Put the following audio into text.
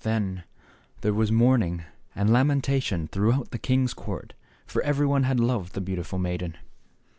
Then there was mourning and lamen tation throughout the king's court, for every one had loved the beautiful maiden.